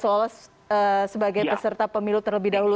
seolah olah sebagai peserta pemilu terlebih dahulu